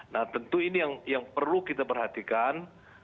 nah tentu ini yang perlu kita perhatikan